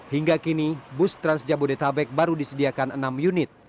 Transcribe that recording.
hingga kini bus transjabodetabek baru disediakan enam unit